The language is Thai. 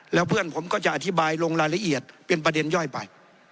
แล้วเพื่อนผมก็จะอธิบายลงรายละเอียดเป็นประเด็นย่อยไป